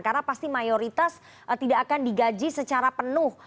karena pasti mayoritas tidak akan digaji secara penuh